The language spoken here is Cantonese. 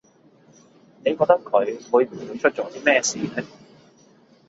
你覺得佢會唔會出咗啲咩事呢